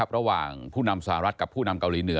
ระหว่างผู้นำสหรัฐกับผู้นำเกาหลีเหนือ